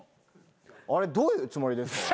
あれどういうつもりですか？